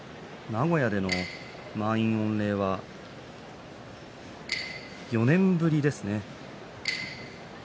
名古屋での満員御礼は４年ぶりですね。